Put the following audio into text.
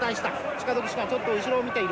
鹿戸騎手がちょっと後ろを見ている。